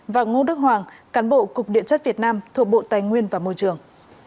và ngô đức hoàng cán bộ cục điện chất việt nam thuộc bộ tài nguyên và môi trường